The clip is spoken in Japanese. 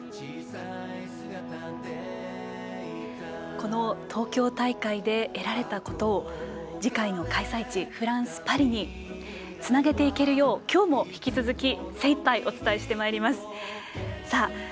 この東京大会で得られたことを次回の開催地フランス・パリにつなげていけるようきょうも引き続き精いっぱいお伝えしてまいります。